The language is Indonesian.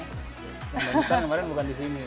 yang barusan kemarin bukan di sini